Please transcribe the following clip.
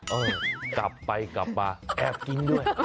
เออกลับไปกลับมาแอบกินด้วย